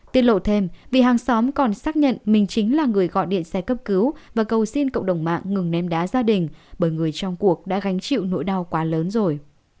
tiết lộ thêm vì hàng xóm còn xác nhận mình chính là người gọi điện xe cấp cứu và cầu xin cộng đồng mạng ngừng ném đá gia đình bởi người trong cuộc đã gánh chịu nỗi đau quá lớn rồi